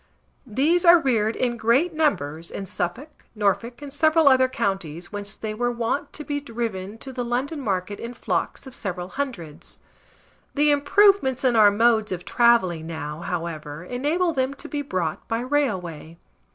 These are reared in great numbers in Suffolk, Norfolk, and several other counties, whence they were wont to be driven to the London market in flocks of several hundreds; the improvements in our modes of travelling now, however, enable them to be brought by railway.